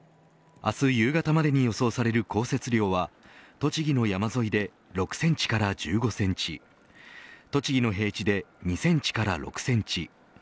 明日夕方までに予想される降雪量は栃木の山沿いで６センチから１５センチ栃木の平地で２センチから６センチ